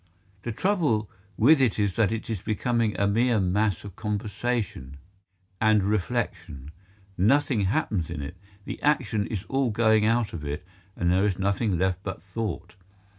The trouble with it is that it is becoming a mere mass of conversation and reflection: nothing happens in it; the action is all going out of it and there is nothing left but thought.